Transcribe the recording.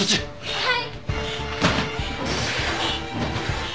はい。